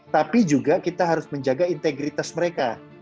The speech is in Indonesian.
tapi juga kita harus menjaga integritas mereka